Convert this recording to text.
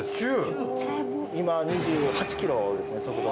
今２８キロですね速度。